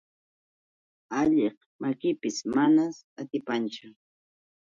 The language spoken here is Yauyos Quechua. Alliq makipis manan atipanchu.